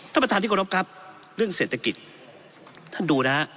ท่านประธานที่กรบครับเรื่องเศรษฐกิจท่านดูนะฮะ